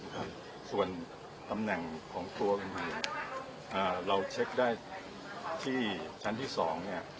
ครับส่วนตำแหน่งของตัวมันมีอ่าเราเช็คได้ที่ชั้นที่สองเนี่ย